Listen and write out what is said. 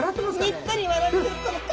にったり笑ってるこの顔。